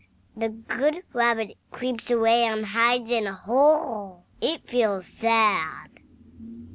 THE good Rabbit creeps away, and hides in a hole. It feels sad.